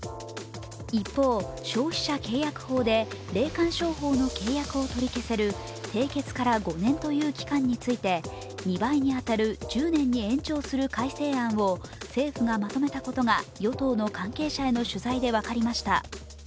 一方、消費者契約法で霊感商法の契約を取り消せる締結から５年という期間について２倍に当たる１０年に延長する改正案を政府がまとめたことが与党の関係者への取材で分かりました。